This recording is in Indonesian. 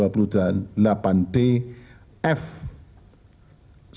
saya ulangi dan berikutnya